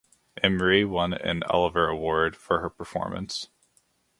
Imrie won an Olivier Award for her performance.